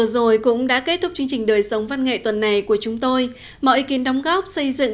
xin chào và hẹn gặp lại